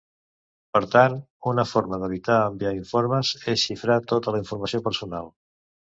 Per tant, una forma d'evitar enviar informes és xifrar tota la informació personal.